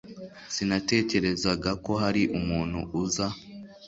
Sinatekerezaga ko hari umuntu uza